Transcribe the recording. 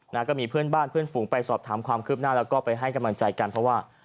นะก็มีเพื่อนบ้านเพื่อนฝูงไปสอบถามความคืบหน้าแล้วก็ไปให้กำลังใจกันเพราะว่า